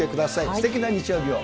すてきな日曜日を。